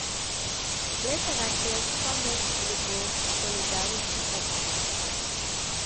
Later that year she founded the group "Solidarity at Sea".